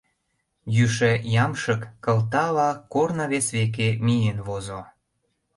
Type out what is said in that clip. Йӱшӧ ямшык кылтала корно вес веке миен возо.